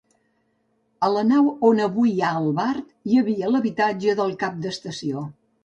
A la nau on avui hi ha el bar hi havia l'habitatge del cap d'estació.